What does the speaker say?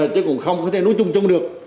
chứ cũng không có thể nối chung được